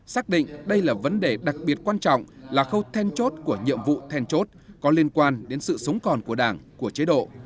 xác định đây là vấn đề đặc biệt quan trọng là khâu then chốt của nhiệm vụ then chốt có liên quan đến sự sống còn của đảng của chế độ